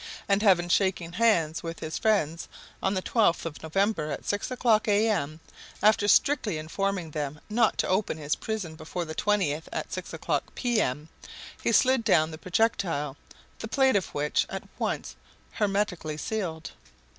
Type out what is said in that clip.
And having shaken hands with his friends, on the 12th of November, at six o'clock A.M., after strictly informing them not to open his prison before the 20th, at six o'clock P.M., he slid down the projectile, the plate of which was at once hermetically sealed.